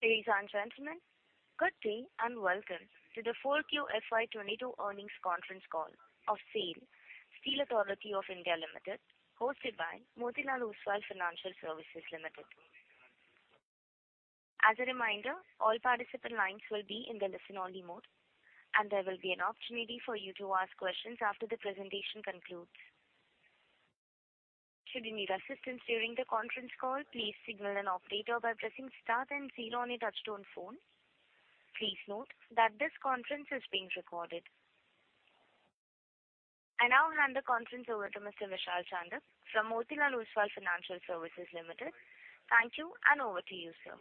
Ladies and gentlemen, good day, and welcome to the 4Q FY 2022 earnings conference call of SAIL, Steel Authority of India Limited, hosted by Motilal Oswal Financial Services Limited. As a reminder, all participant lines will be in the listen only mode, and there will be an opportunity for you to ask questions after the presentation concludes. Should you need assistance during the conference call, please signal an operator by pressing star then zero on your touchtone phone. Please note that this conference is being recorded. I now hand the conference over to Mr. Vishal Chandak from Motilal Oswal Financial Services Limited. Thank you, and over to you, sir.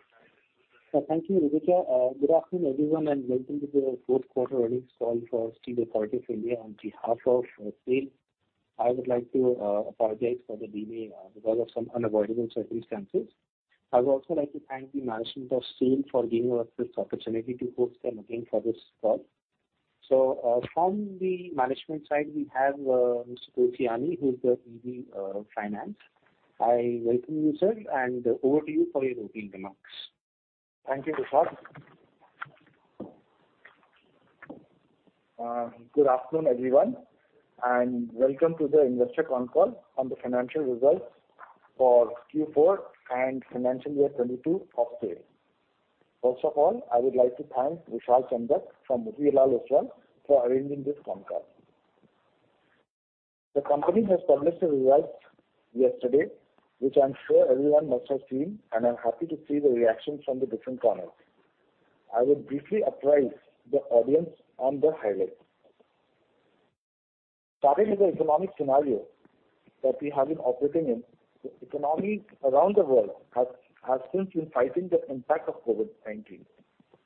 Thank you, Rutuja. Good afternoon, everyone, and welcome to the fourth quarter earnings call for Steel Authority of India. On behalf of SAIL, I would like to apologize for the delay because of some unavoidable circumstances. I would also like to thank the management of SAIL for giving us this opportunity to host them again for this call. From the management side, we have Mr. Tulsiani, who is the ED, Finance. I welcome you, sir, and over to you for your opening remarks. Thank you, Vishal. Good afternoon, everyone, and welcome to the investor conference on the financial results for Q4 and financial year 2022 of SAIL. First of all, I would like to thank Vishal Chandak from Motilal Oswal for arranging this conference. The company has published the results yesterday, which I'm sure everyone must have seen, and I'm happy to see the reactions from the different corners. I will briefly apprise the audience on the highlights. Starting with the economic scenario that we have been operating in, the economies around the world have since been fighting the impact of COVID-19.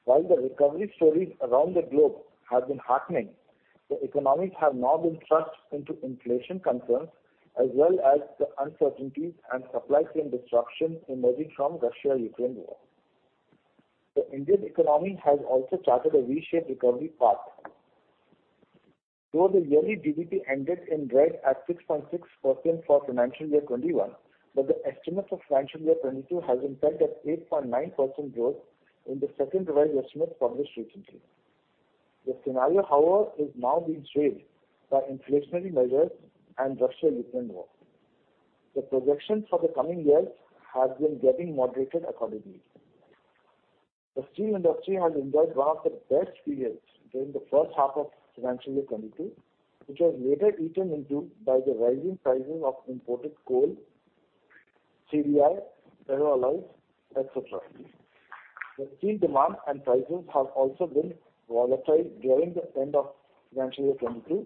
While the recovery stories around the globe have been heartening, the economies have now been thrust into inflation concerns as well as the uncertainties and supply chain disruptions emerging from Russia-Ukraine war. The Indian economy has also charted a V-shaped recovery path. Though the yearly GDP ended in red at 6.6% for financial year 2021, but the estimates of financial year 2022 has impact at 8.9% growth in the second revised estimate published recently. The scenario, however, is now being strained by inflationary measures and Russia-Ukraine war. The projections for the coming years have been getting moderated accordingly. The steel industry has enjoyed one of the best periods during the first half of financial year 2022, which was later eaten into by the rising prices of imported coal, CDI, ferroalloys, et cetera. The steel demand and prices have also been volatile during the end of financial year 2022,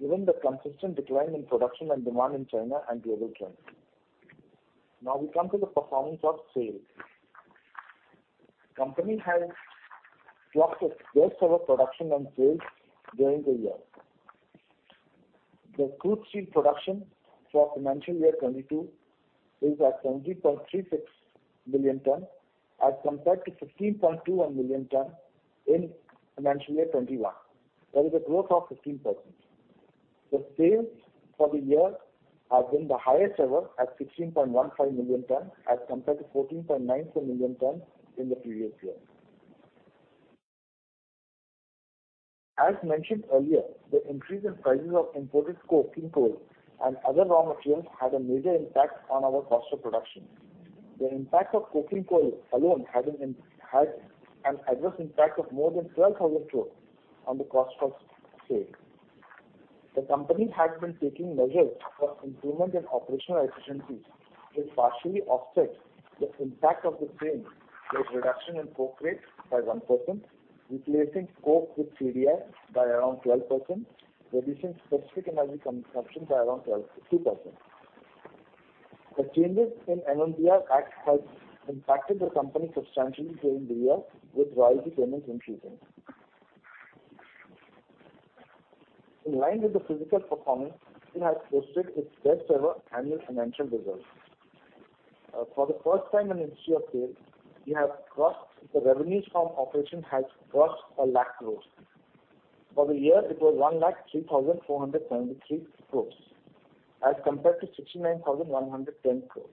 given the consistent decline in production and demand in China and global trends. Now we come to the performance of SAIL. Company has clocked its best ever production and sales during the year. The crude steel production for financial year 2022 is at 70.36 million tons as compared to 15.21 million tons in financial year 2021. That is a growth of 15%. The sales for the year have been the highest ever at 16.15 million tons as compared to 14.94 million tons in the previous year. As mentioned earlier, the increase in prices of imported coking coal and other raw materials had a major impact on our cost of production. The impact of coking coal alone had an adverse impact of more than 12,000 crore on the cost of SAIL. The company had been taking measures for improvement in operational efficiencies, which partially offset the impact of the same with reduction in coke rate by 1%, replacing coke with CDI by around 12%, reducing specific energy consumption by around 2%. The changes in MMDR Act has impacted the company substantially during the year with royalty payments increasing. In line with the physical performance, it has posted its best ever annual financial results. For the first time in history of SAIL, we have crossed the revenues from operation has crossed 1 lakh crore. For the year it was 1,03,473 crore as compared to 69,110 crore.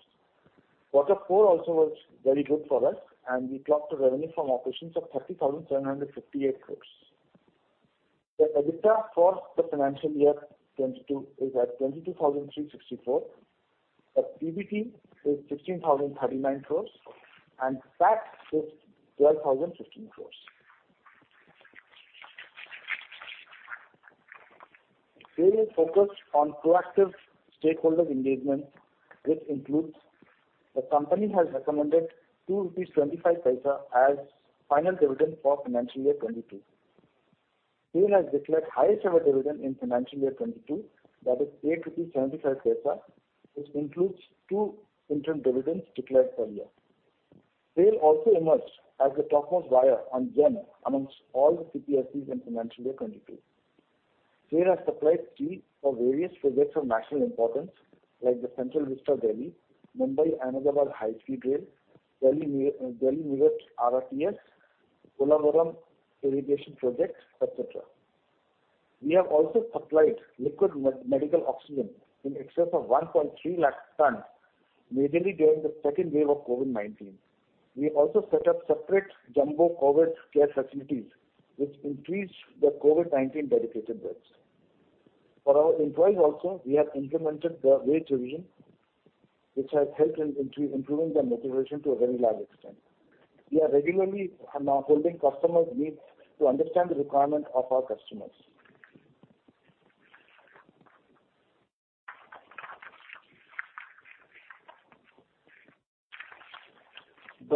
Quarter four also was very good for us, and we clocked a revenue from operations of 30,758 crore. The EBITDA for the financial year 2022 is at 22,364 crores. The PBT is 16,039 crores, and PAT is 12,015 crores. SAIL focused on proactive stakeholder engagement, which includes the company has recommended 2.25 rupees as final dividend for financial year 2022. SAIL has declared highest ever dividend in financial year 2022, that is 8.75 rupees, which includes two interim dividends declared per year. SAIL also emerged as the topmost buyer on GeM amongst all the CPSEs in financial year 2022. SAIL has supplied steel for various projects of national importance, like the Central Vista, Delhi, Mumbai-Ahmedabad High-Speed Rail, Delhi-Meerut RRTS, Kaleshwaram Lift Irrigation Project, etc. We have also supplied liquid medical oxygen in excess of 1.3 lakh tons, majorly during the second wave of COVID-19. We also set up separate jumbo COVID care facilities which increased the COVID-19 dedicated beds. For our employees also, we have implemented the wage revision, which has helped in improving their motivation to a very large extent. We are regularly holding customers' meets to understand the requirement of our customers.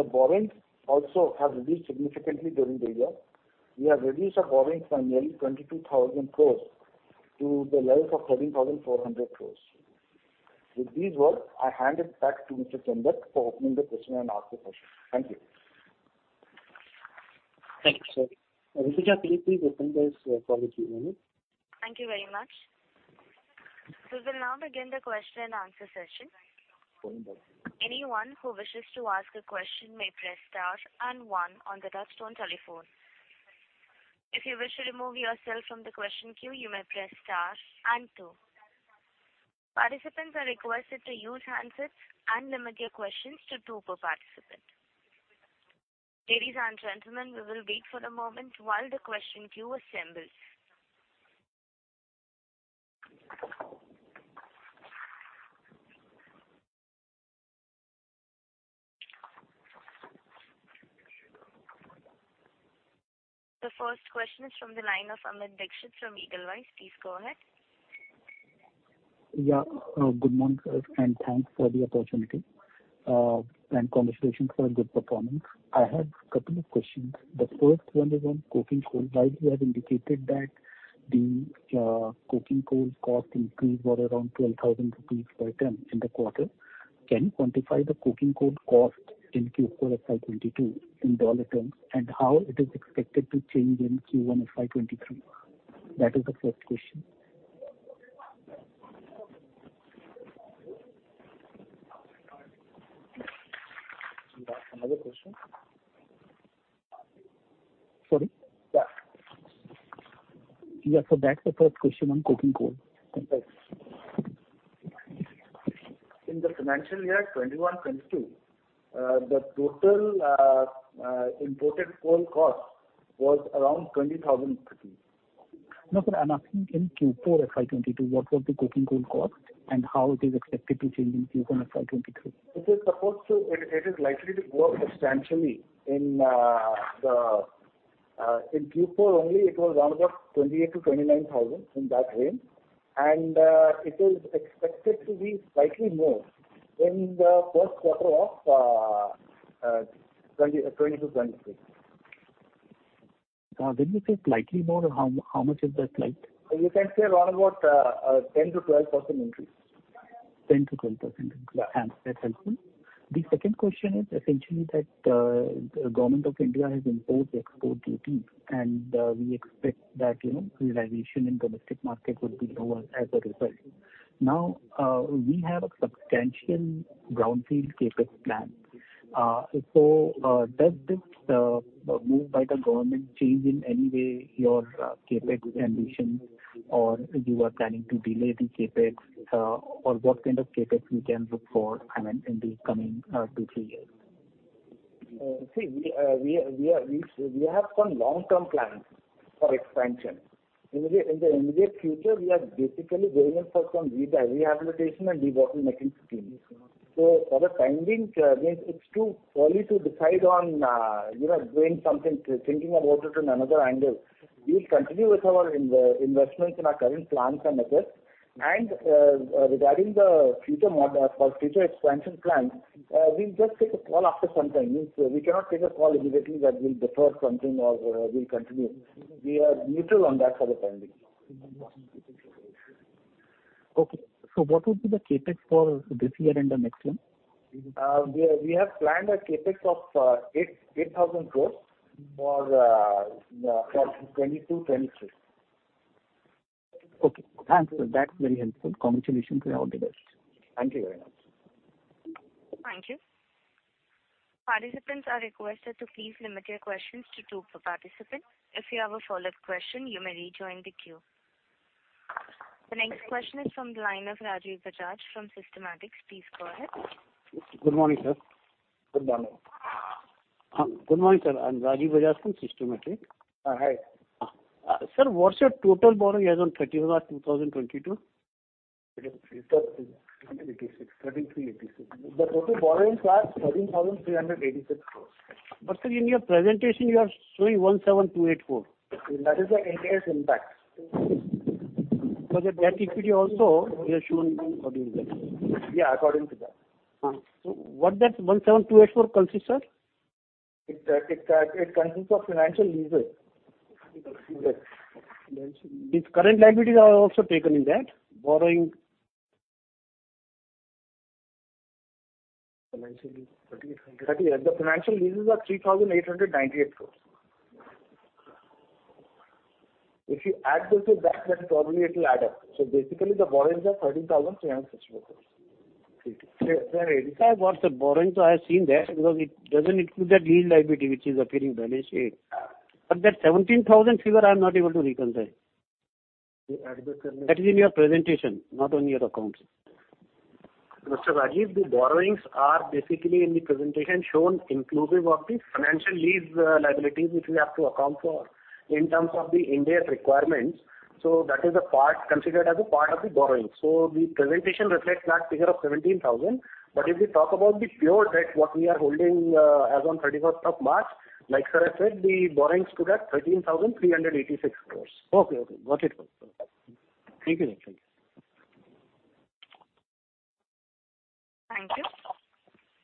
The borrowings also have reduced significantly during the year. We have reduced our borrowings from nearly 22,000 crore to the level of 13,400 crore. With these words, I hand it back to Mr. Chandak for opening the question-and-answer session. Thank you. Thank you, sir. Rutuja, please open those for the Q&A. Thank you very much. We will now begin the question-and-answer session. Anyone who wishes to ask a question may press star and one on the touchtone telephone. If you wish to remove yourself from the question queue, you may press star and two. Participants are requested to use handsets and limit your questions to two per participant. Ladies and gentlemen, we will wait for a moment while the question queue assembles. The first question is from the line of Amit Dixit from Edelweiss. Please go ahead. Yeah. Good morning, sir, and thanks for the opportunity, and congratulations for a good performance. I have a couple of questions. The first one is on coking coal. While you have indicated that the coking coal cost increased by around 12,000 rupees per ton in the quarter, can you quantify the coking coal cost in Q4 FY 2022 in dollar terms, and how it is expected to change in Q1 FY 2023? That is the first question. You have another question? Sorry? Yeah. Yeah. That's the first question on coking coal. In the financial year 2021/2022, the total imported coal cost was around 20,000 rupees. No, sir. I'm asking in Q4 FY 2022, what was the coking coal cost and how it is expected to change in Q1 FY 2023? It is likely to grow substantially. In Q4 only, it was around about 28,000-29,000, in that range. It is expected to be slightly more in the first quarter of 2022/2023. When you say slightly more, how much is that slight? You can say around about a 10%-12% increase. 10%-12% increase. Yeah. Thanks. That's helpful. The second question is essentially that, the Government of India has imposed export duty, and we expect that, you know, realization in domestic market would be lower as a result. Now, we have a substantial brownfield CapEx plan. So, does this move by the government change in any way your CapEx ambitions, or you are planning to delay the CapEx, or what kind of CapEx we can look for, I mean, in the coming two, three years? See, we have some long-term plans for expansion. In the immediate future, we are basically going in for some rehabilitation and debottlenecking schemes. For the time being, means it's too early to decide on, you know, doing something, thinking about it in another angle. We'll continue with our investments in our current plants and assets. Regarding the future or future expansion plans, we'll just take a call after some time. Means we cannot take a call immediately that we'll defer something or, we'll continue. We are neutral on that for the time being. Okay. What would be the CapEx for this year and the next one? We have planned a CapEx of 8,000 crore for 2022-2023. Okay. Thanks, sir. That's very helpful. Congratulations and all the best. Thank you very much. Thank you. Participants are requested to please limit your questions to two per participant. If you have a follow-up question, you may rejoin the queue. The next question is from the line of Rajeev Bajaj from Systematix. Please go ahead. Good morning, sir. Good morning. Good morning, sir. I'm Rajeev Bajaj from Systematix. Hi. Sir, what's your total borrowing as on 30 June 2022? It is 13,386. The total borrowings are INR 13,386 crore. Sir, in your presentation you are showing 17,284. That is the ATS impact. The debt equity also you have shown according to that. Yeah, according to that. What that 17,284 crore consist, sir? It consists of financial leases. Okay. Financial leases. These current liabilities are also taken in that? Financial lease, INR 3,800. The financial leases are 3,898 crores. If you add those to that, then probably it will add up. Basically the borrowings are INR 13,364 crore. Sir, it has got the borrowing, so I have seen that because it doesn't include that lease liability which is appearing balance sheet. That 17,000 figure I'm not able to reconcile. At the current- That is in your presentation, not on your accounts. Mr. Rajeev, the borrowings are basically in the presentation shown inclusive of the financial lease liabilities which we have to account for in terms of the Ind AS requirements. That is a part considered as a part of the borrowing. The presentation reflects that figure of 17,000 crores. If we talk about the pure debt, what we are holding, as on 31st of March, like sir said, the borrowings stood at 13,386 crores. Okay. Got it. Thank you. Thank you.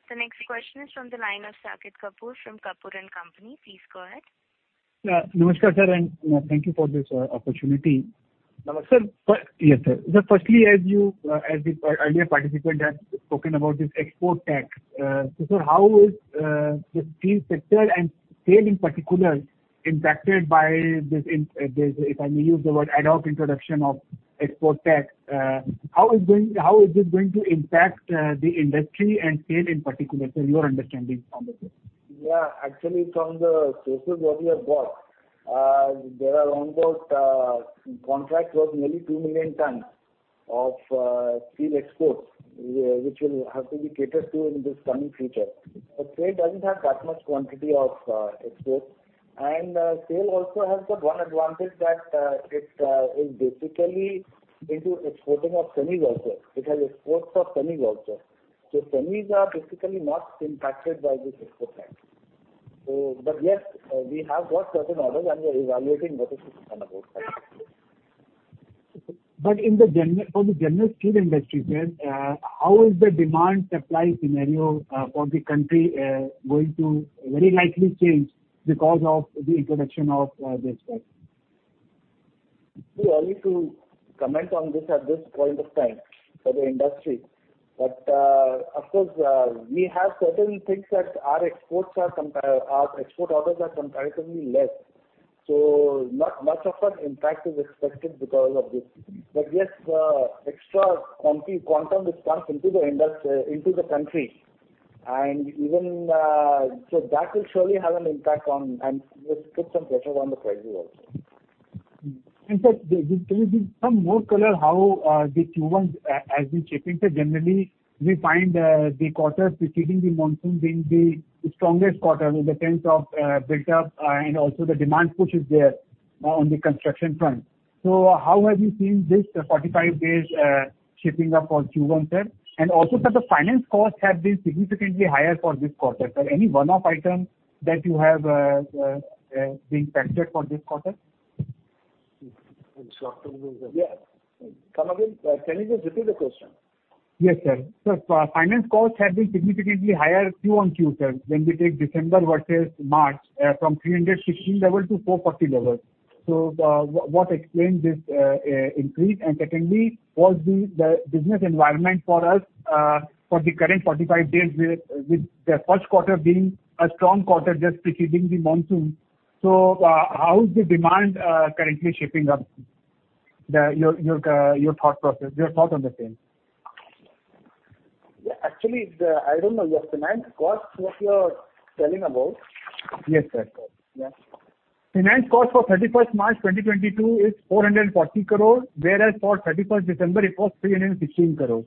The next question is from the line of Saket Kapoor from Kapoor & Company. Please go ahead. Yeah. Namaskar, sir, and thank you for this, opportunity. Namaskar. Sir, fi- Yes, sir. Sir, firstly, as the earlier participant has spoken about this export tax, sir, how is the steel sector and SAIL in particular impacted by this, if I may use the word, ad hoc introduction of export tax, how is this going to impact the industry and SAIL in particular, sir, your understanding on the same? Yeah. Actually, from the sources what we have got, there are almost contracts worth nearly 2 million tons of steel exports, which will have to be catered to in this coming future. Trade doesn't have that much quantity of exports. SAIL also has got one advantage that it is basically into exporting of semis also. It has exports of semis also. Semis are basically not impacted by this export tax. But yes, we have got certain orders and we are evaluating what is to be done about that. For the general steel industry, sir, how is the demand supply scenario for the country going to very likely change because of the introduction of this tax? See, early to comment on this at this point of time for the industry. Of course, we have certain things that our export orders are comparatively less, so not much of an impact is expected because of this. Yes, extra quantum which comes into the country and even, so that will surely have an impact on and will put some pressure on the prices also. Sir, can you give some more color on how the Q1 has been shaping, sir? Generally, we find the quarter preceding the monsoon being the strongest quarter in terms of build-up and also the demand push is there on the construction front. How have you seen this 45 days shaping up for Q1, sir? Also sir, the finance costs have been significantly higher for this quarter. Sir, any one-off item that you have factored in for this quarter? Yeah. Saket Kapoor, can you just repeat the question? Yes, sir. Sir, finance costs have been significantly higher Q on Q, sir, when we take December versus March, from 316 level to 440 level. What explains this increase? Secondly, what's the business environment for us for the current 45 days with the first quarter being a strong quarter just preceding the monsoon. How is the demand currently shaping up? Your thought process, your thought on the same. Yeah. Actually, I don't know your finance cost, what you are telling about. Yes, sir. Yeah. Finance cost for 31st March 2022 is 440 crore, whereas for 31st December it was 316 crore.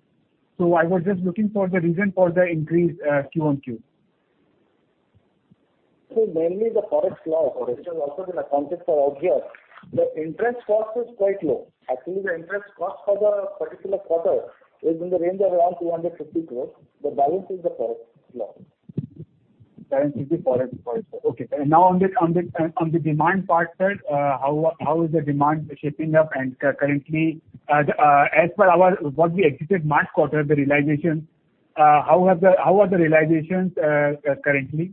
I was just looking for the reason for the increase, Q on Q. Mainly the forex loss, which has also been accounted for out here. The interest cost is quite low. Actually, the interest cost for the particular quarter is in the range of around 250 crore. The balance is the forex loss. Currently the forex loss. Okay. Now on the demand part, sir, how is the demand shaping up? Currently, as per what we executed March quarter, how are the realizations currently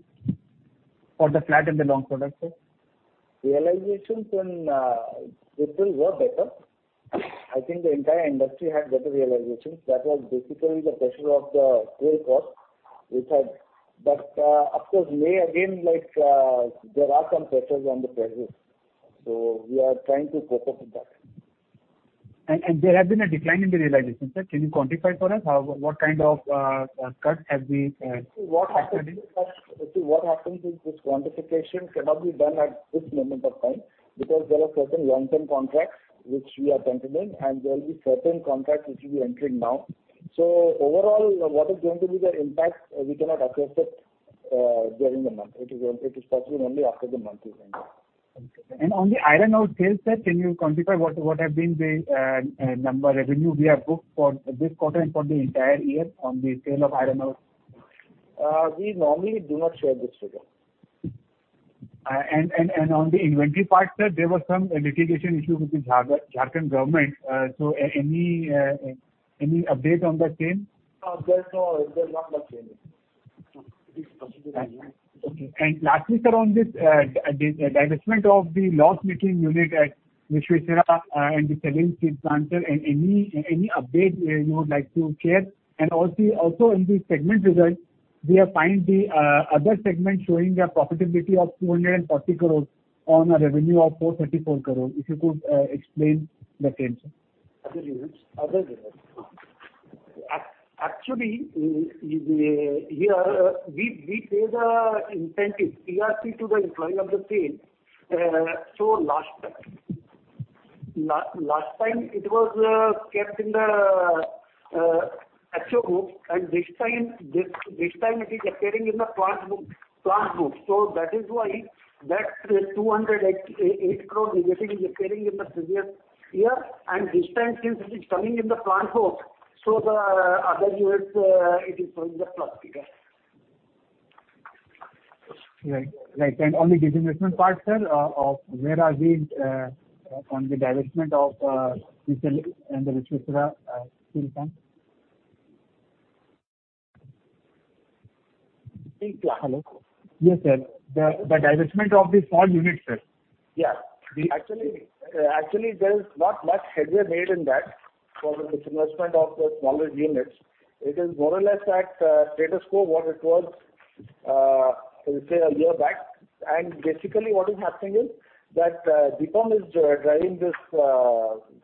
for the flat and the long products, sir? Realizations in April were better. I think the entire industry had better realizations. That was basically the pressure of the rail cost. Of course, May again, like, there are some pressures on the prices. We are trying to cope up with that. There have been a decline in the realization, sir. Can you quantify for us how, what kind of cuts have been factored in? See what happens is that this quantification cannot be done at this moment of time because there are certain long-term contracts which we are continuing, and there will be certain contracts which will be entering now. Overall, what is going to be the impact, we cannot assess it during the month. It is possible only after the month is ended. On the iron ore sales, sir, can you quantify what have been the revenue number we have booked for this quarter and for the entire year on the sale of iron ore? We normally do not share this figure. On the inventory part, sir, there were some litigation issues with the Jharkhand government. Any update on the same? No, there's no update. It is proceeding as usual. Lastly, sir, on this disinvestment of the loss-making unit at Visvesvaraya, and the Visvesvaraya Steel Plant, sir, and any update you would like to share? Also, in the segment results, we have found the other segment showing a profitability of 240 crores on a revenue of 434 crores. If you could explain the same, sir. Other units. Actually, here we pay the incentive, PRP to the employee of the field. So last time it was kept in the actual group. This time it is appearing in the plant group. That is why that 208 crore we're getting is appearing in the previous year. This time since it is coming in the plant group, the other units, it is showing the profit. Right. On the disinvestment part, sir, where are we on the divestment of the Visakhapatnam Steel Plant? Yes. Hello? Yes, sir. The divestment of the small units, sir. Yeah. The- Actually there is not much headway made in that for the disinvestment of the smaller units. It is more or less at status quo, what it was say a year back. Basically what is happening is that DIPAM is driving this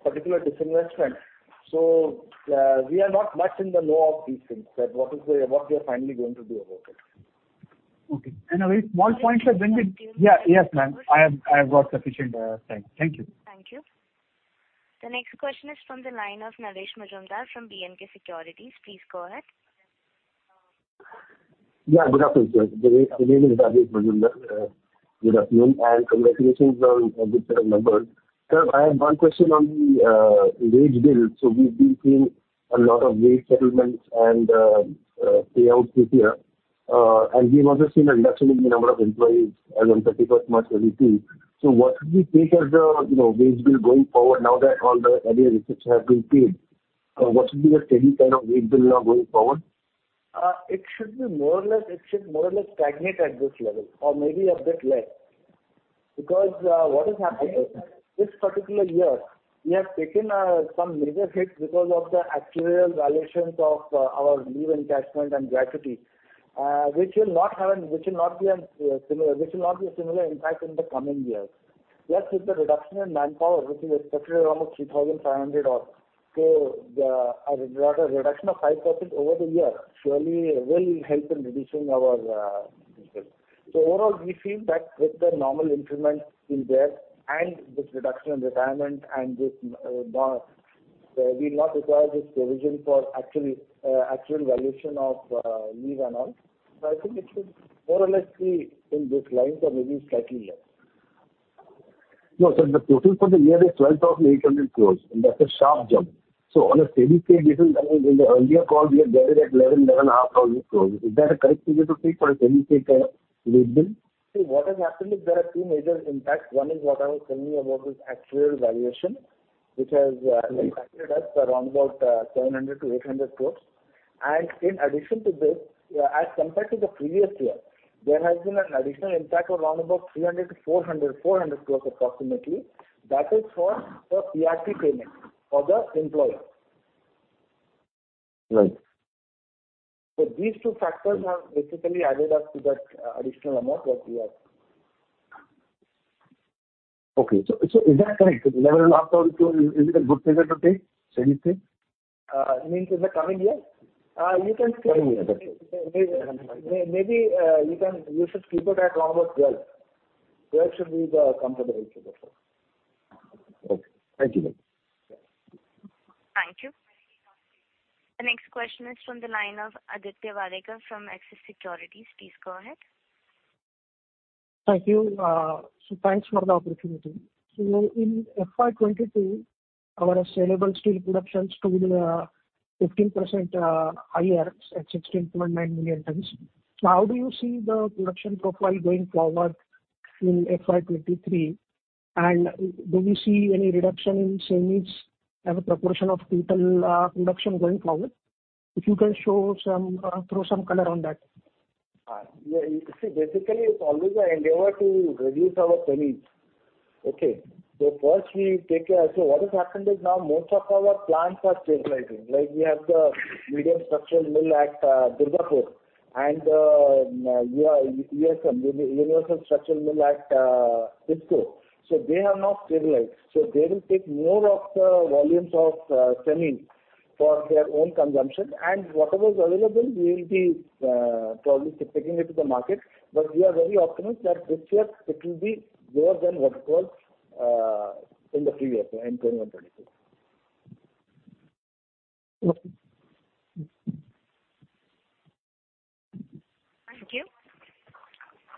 particular disinvestment. We are not much in the know of these things, what they're finally going to do about it. Okay. One point, sir. When we- Thank you. Yeah. Yes, ma'am. I have got sufficient time. Thank you. Thank you. The next question is from the line of Naresh Majumdar from B&K Securities. Please go ahead. Yeah, good afternoon, sir. My name is Naresh Majumdar. Good afternoon and congratulations on a good set of numbers. Sir, I have one question on the wage bill. We've been seeing a lot of wage settlements and payouts this year. We've also seen a reduction in the number of employees as on 31st March 2022. What should we take as the wage bill going forward now that all the earlier arrears have been paid? What should be the steady kind of wage bill now going forward? It should more or less stagnate at this level or maybe a bit less. What is happening, this particular year we have taken some major hits because of the actuarial valuations of our leave encashment and gratuity, which will not be a similar impact in the coming years. With the reduction in manpower, which is expected around 3,500 odd. The reduction of 5% over the year surely will help in reducing our wage bill. Overall, we feel that with the normal increment in there and this reduction in retirement and this bar, we'll not require this provision for actually actuarial valuation of leave and all. I think it will more or less be along these lines or maybe slightly less. No, sir, the total for the year is 12,800 crores and that's a sharp jump. On a steady state basis, I mean, in the earlier call we had guided at 11,000 crores, 11,500 crores. Is that a correct figure to take for a steady state, wage bill? See, what has happened is there are two major impacts. One is what I was telling you about this actuarial valuation, which has impacted us around about 700 crores-800 crores. In addition to this, as compared to the previous year, there has been an additional impact of around about 300 crores-400 crores approximately. That is for the PRP payment for the employer. Right. These two factors have basically added up to that, additional amount that we have. Okay. Is that correct? 11,500 crore, is it a good figure to take steady state? You mean for the coming year? You can- Coming year. That's it. Maybe you can use a figure at around about 12 crore. 12 crore should be the comfortable figure for. Okay. Thank you very much. Thank you. The next question is from the line of Aditya Welekar from Axis Securities. Please go ahead. Thank you. Thanks for the opportunity. In FY 2022, our saleable steel production stood 15% higher at 16.9 million tons. How do you see the production profile going forward in FY 2023? Do we see any reduction in semis as a proportion of total production going forward? If you can throw some color on that. Yeah. See, basically it's always our endeavor to reduce our semis. Okay? First we take care. What has happened is now most of our plants are stabilizing. Like we have the Medium Structural Mill at Durgapur and USM, Universal Structural Mill at Burnpur. They have now stabilized. They will take more of the volumes of semis for their own consumption. Whatever is available we will be probably taking it to the market. We are very optimistic that this year it will be lower than what it was in the previous year, in 2021, 2022. Okay.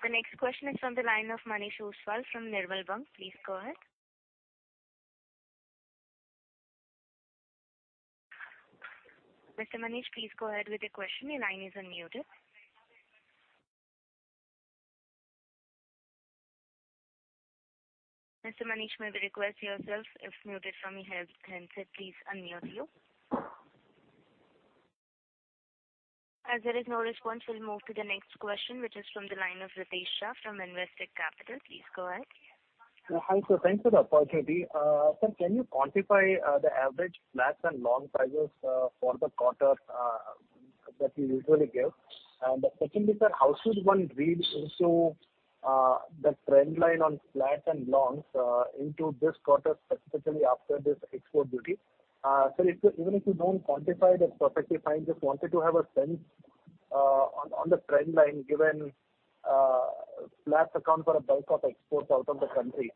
Thank you. The next question is from the line of Manish Ostwal from Nirmal Bang. Please go ahead. Mr. Manish, please go ahead with your question. Your line is unmuted. Mr. Manish, may we request yourself if muted from your end? Hence, please unmute you. As there is no response, we'll move to the next question, which is from the line of Ritesh Shah from Investec Capital. Please go ahead. Hi, sir. Thanks for the opportunity. Sir, can you quantify the average flats and long prices for the quarter that you usually give? Secondly, sir, how should one read into the trend line on flats and longs into this quarter, specifically after this export duty? Sir, even if you don't quantify, that's perfectly fine. Just wanted to have a sense on the trend line given flats account for a bulk of exports out of the country.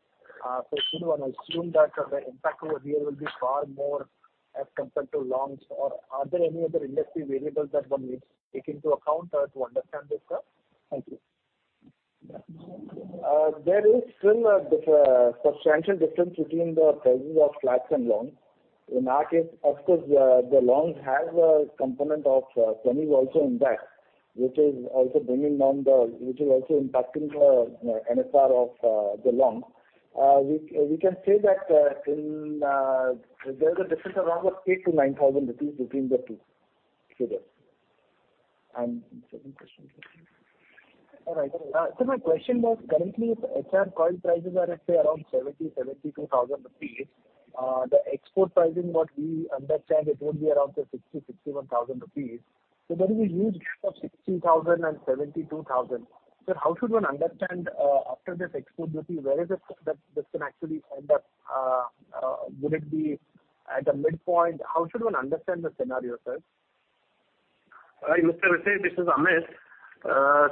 Should one assume that the impact over here will be far more as compared to longs? Or are there any other industry variables that one needs to take into account to understand this, sir? Thank you. There is still a substantial difference between the prices of flats and longs. In our case, of course, the longs have a component of semis also in that, which is also impacting the NSR of the long. We can say that there's a difference around of 8,000-9,000 rupees between the two today. Second question please. All right. Sir, my question was currently the HR coil prices are let's say around 72,000 rupees. The export pricing, what we understand it would be around say 61,000 rupees. So there is a huge gap of 60,000 and 72,000. So how should one understand after this export duty, where is this that this can actually end up? Would it be at the midpoint? How should one understand the scenario, sir? All right, Mr. Tulsiani, this is Amit.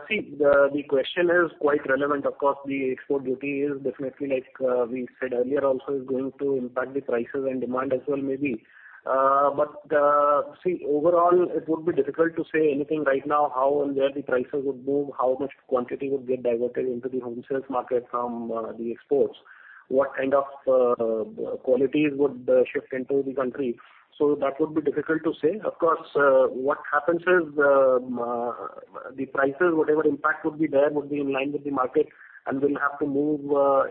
See, the question is quite relevant. Of course, the export duty is definitely like we said earlier also is going to impact the prices and demand as well, maybe. See, overall it would be difficult to say anything right now, how and where the prices would move, how much quantity would get diverted into the home sales market from the exports. What kind of qualities would shift into the country. That would be difficult to say. Of course, what happens is the prices, whatever impact would be there would be in line with the market, and we'll have to move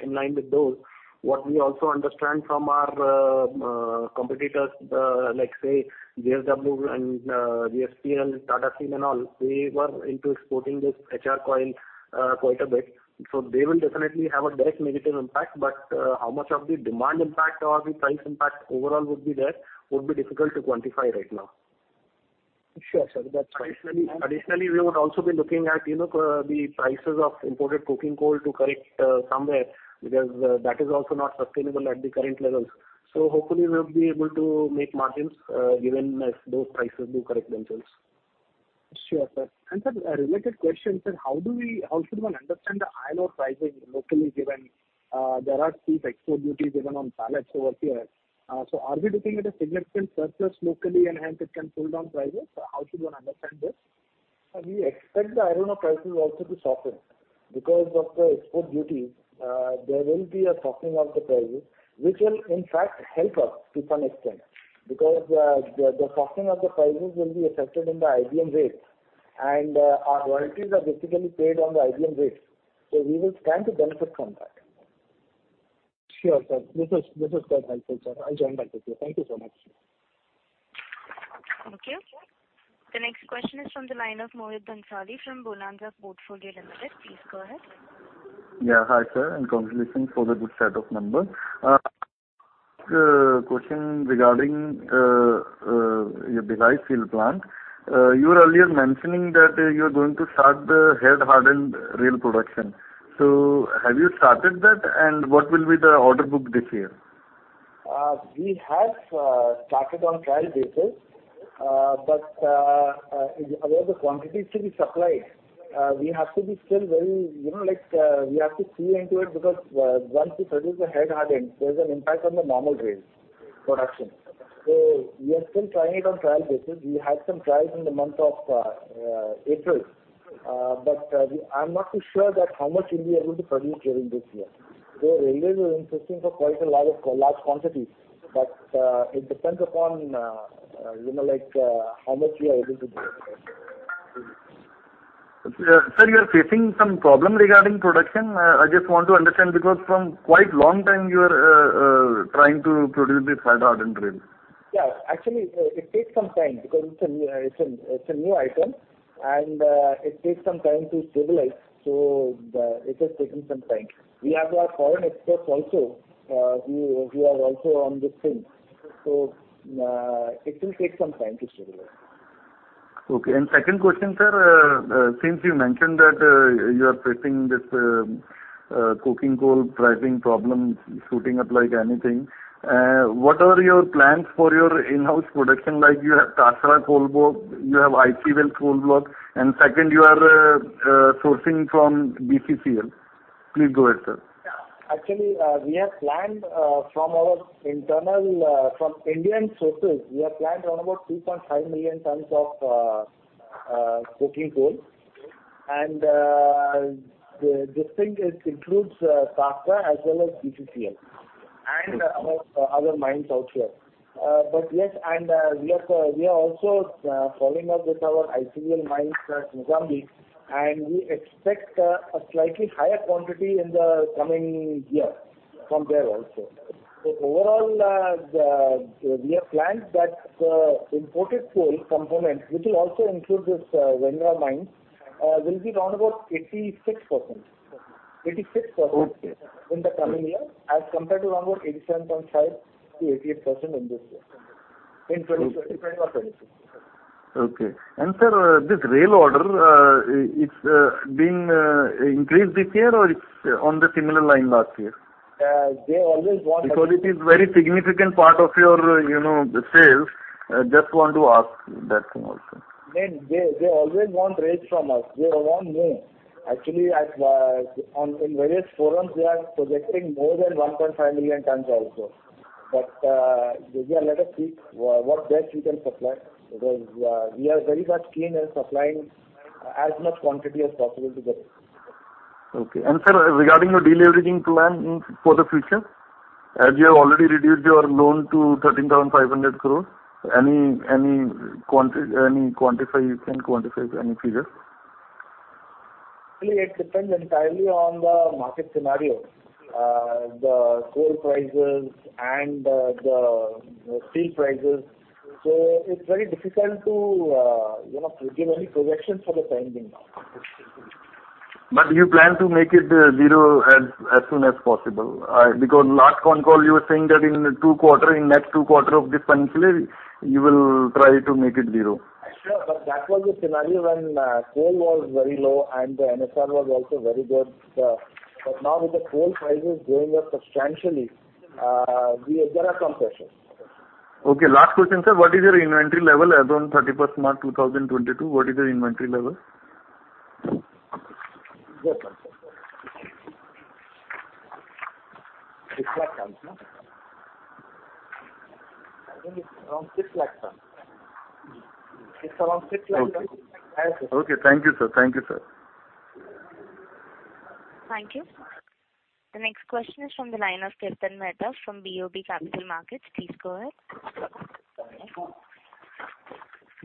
in line with those. What we also understand from our competitors, like say JSW and VSP and Tata Steel and all, they were into exporting this HR coil quite a bit. They will definitely have a direct negative impact. How much of the demand impact or the price impact overall would be difficult to quantify right now. Sure, sir. Additionally, we would also be looking at the prices of imported coking coal to correct somewhere, because that is also not sustainable at the current levels. Hopefully we'll be able to make margins, given if those prices do correct themselves. Sure, sir. Sir, a related question, sir. How do we How should one understand the iron ore pricing locally, given there are these export duties even on pellets over here? Are we looking at a significant surplus locally and hence it can pull down prices? How should one understand this? We expect the iron ore prices also to soften. Because of the export duty, there will be a softening of the prices, which will in fact help us to some extent. Because the softening of the prices will be reflected in the IBM rates, and our royalties are basically paid on the IBM rates, so we will stand to benefit from that. Sure, sir. This is quite helpful, sir. I'll join back with you. Thank you so much. Thank you. The next question is from the line of Mohit Bhansali from Bonanza Portfolio Limited. Please go ahead. Yeah. Hi, sir, and congratulations for the good set of numbers. Question regarding your Bhilai Steel Plant. You were earlier mentioning that you're going to start the head-hardened rail production. Have you started that? And what will be the order book this year? We have started on trial basis. About the quantities to be supplied, we have to be still very, you know, like, we have to see into it because, once we produce the head-hardened, there's an impact on the normal rails production. We are still trying it on trial basis. We had some trials in the month of April. I'm not too sure that how much we'll be able to produce during this year. The railways are insisting for quite a lot of large quantities, but it depends upon, you know, like, how much we are able to do. Sir, you are facing some problem regarding production? I just want to understand, because from quite long time you are trying to produce this head-hardened rail. Yeah. Actually, it takes some time because it's a new item and it takes some time to stabilize. It has taken some time. We have our foreign experts also who are also on this thing. It will take some time to stabilize. Okay. Second question, sir. Since you mentioned that you are facing this coking coal pricing problem shooting up like anything, what are your plans for your in-house production? Like you have Tasra coal block, you have ICVL coal block, and second, you are sourcing from BCCL. Please go ahead, sir. Yeah. Actually, we have planned from our internal from Indian sources around about 2.5 million tons of coking coal. This thing it includes Tasra as well as BCCL and our other mines out here. Yes, we are also following up with our ICVL mine at Vizag, and we expect a slightly higher quantity in the coming year from there also. Overall, we have planned that imported coal component, which will also include this Jhanjra mine, will be around about 86%. Okay. In the coming year as compared to around about 87.5%-88% in this year. In 2025, 2026. Okay. Sir, this rail order, it's been increased this year or it's on the similar line last year? They always want. Because it is very significant part of your, you know, the sales. I just want to ask that thing also. They always want rails from us. They want more. Actually, in various forums, they are projecting more than 1.5 million tons also. They say, "Let us see what best we can supply." Because, we are very much keen in supplying as much quantity as possible to the rails. Okay. Sir, regarding your de-leveraging plan for the future, as you have already reduced your loan to 13,500 crores, any quantify you can quantify to any figures? Actually, it depends entirely on the market scenario. The coal prices and the steel prices. It's very difficult to give any projection for the time being now. You plan to make it zero as soon as possible? Because last conference call you were saying that in next two quarters of this financial year, you will try to make it zero. Sure. That was a scenario when coal was very low and the NSR was also very good. Now with the coal prices going up substantially, we are under some pressure. Okay. Last question, sir. What is your inventory level as on 31st March 2022? Just one second. 6 lakh tons, no? I think it's around 6 lakh tons. It's around 6 lakh tons. Okay. Yes, sir. Okay. Thank you, sir. Thank you, sir. Thank you. The next question is from the line of Kirtan Mehta from BOB Capital Markets. Please go ahead.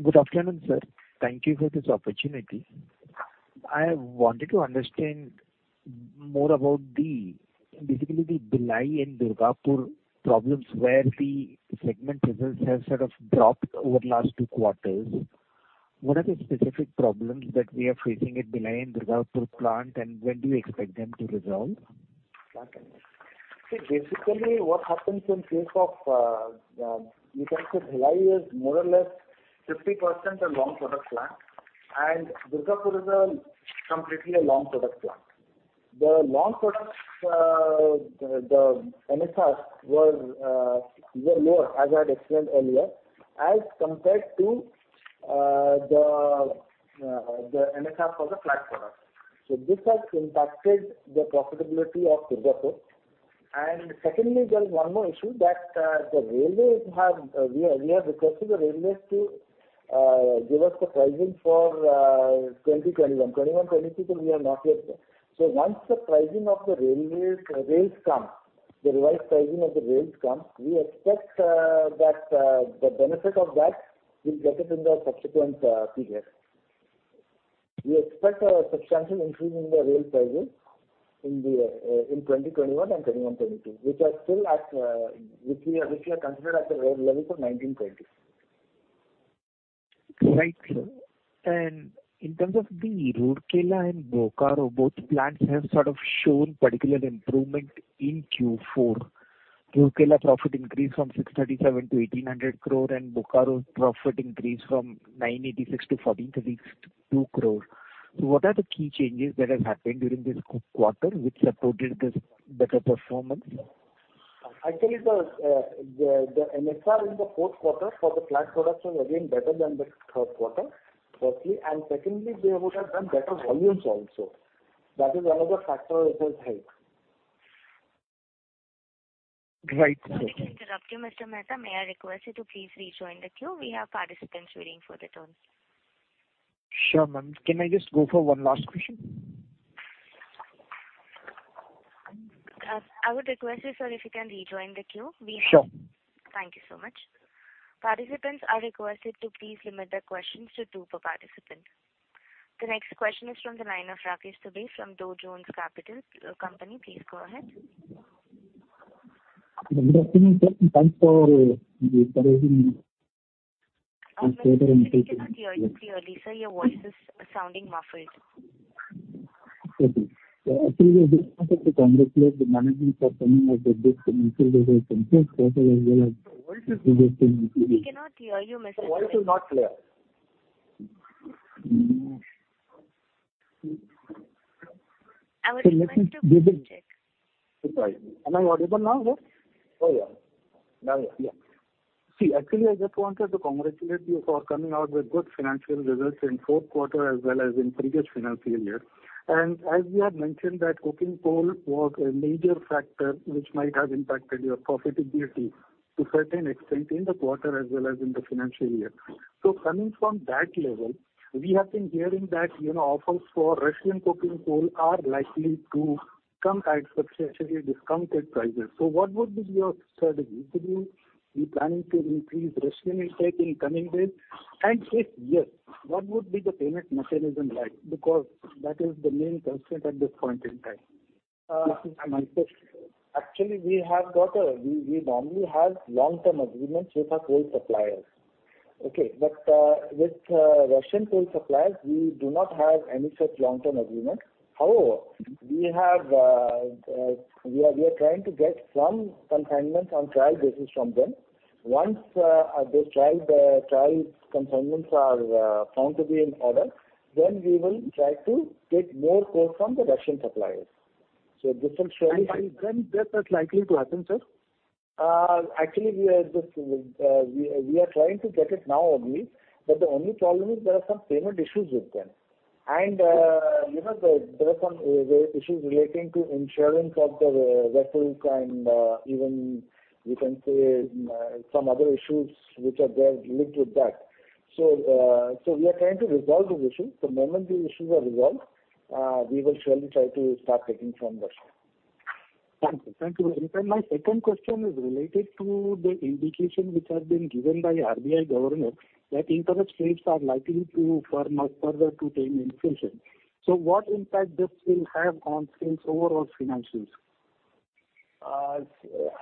Good afternoon, sir. Thank you for this opportunity. I wanted to understand more about the, basically the Bhilai and Durgapur problems where the segment results have sort of dropped over last two quarters. What are the specific problems that we are facing at Bhilai and Durgapur plant, and when do you expect them to resolve? See, basically what happens in case of you can say Bhilai is more or less 50% a long product plant, and Durgapur is completely a long product plant. The long products, the NSRs were lower, as I had explained earlier, as compared to the NSR for the flat products. This has impacted the profitability of Durgapur. Secondly, there is one more issue that we have requested the railways to give us the pricing for 2021-2022 we are not yet there. Once the pricing of the railways rails come, the revised pricing of the rails come, we expect that the benefit of that will get it in the subsequent period. We expect a substantial increase in the rail pricing in 2021 and 2021-2022, which we are considered at the rail level for 2019-2020. Right, sir. In terms of the Rourkela and Bokaro, both plants have sort of shown particular improvement in Q4. Rourkela profit increased from 637 crore to 1,800 crore and Bokaro's profit increased from 986 crore to 1,432 crore. What are the key changes that has happened during this quarter which supported this better performance? Actually, the NSR in the fourth quarter for the flat products was again better than the third quarter, firstly. Secondly, we would have done better volumes also. That is one of the factor which has helped. Right. Sorry to interrupt you, Mr. Mehta. May I request you to please rejoin the queue? We have participants waiting for their turns. Sure, ma'am. Can I just go for one last question? I would request you, sir, if you can rejoin the queue. Sure. Thank you so much. Participants are requested to please limit their questions to two per participant. The next question is from the line of Rakesh Dubey from Dow Jones Capital Company. Please go ahead. Good afternoon, sir, and thanks for the encouraging. We cannot hear you clearly, sir. Your voice is sounding muffled. Okay. Actually, I just wanted to congratulate the management for coming up with this initial presentation. Sir, voice is. We cannot hear you, Mr. Dubey. Sir, voice is not clear. Mm. I would request you to please check. Am I audible now, sir? Oh, yeah. Now, yeah. Yeah. See, actually, I just wanted to congratulate you for coming out with good financial results in fourth quarter as well as in previous financial year. As you have mentioned that coking coal was a major factor which might have impacted your profitability to certain extent in the quarter as well as in the financial year. Coming from that level, we have been hearing that, you know, offers for Russian coking coal are likely to come at substantially discounted prices. What would be your strategy? Would you be planning to increase Russian intake in coming days? And if yes, what would be the payment mechanism like? Because that is the main concern at this point in time. Uh. This is my first. Actually, we normally have long-term agreements with our coal suppliers. Okay. With Russian coal suppliers, we do not have any such long-term agreement. However, we are trying to get some consignments on trial basis from them. Once those trial consignments are found to be in order, then we will try to get more coal from the Russian suppliers. This will show you- When that is likely to happen, sir? Actually, we are just trying to get it now only, but the only problem is there are some payment issues with them. You know, there are some issues relating to insurance of the vessels and even you can say some other issues which are there linked with that. We are trying to resolve those issues. The moment these issues are resolved, we will surely try to start taking from Russia. Thank you. Thank you very much. My second question is related to the indication which has been given by RBI Governor that interest rates are likely to firm up further to tame inflation. What impact this will have on sales overall financials?